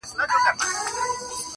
ستر گه په بڼو نه درنېږي.